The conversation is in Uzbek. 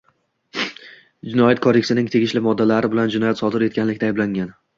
Jinoyat kodeksining tegishli moddalari bilan jinoyat sodir etganlikda ayblangan.